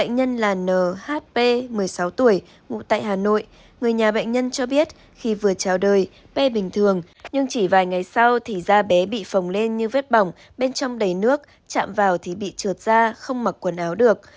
người nhà bệnh nhân cho biết khi vừa trào đời p bình thường nhưng chỉ vài ngày sau thì da bé bị phồng lên như vết bỏng bên trong đầy nước chạm vào thì bị trượt ra không mặc quần áo được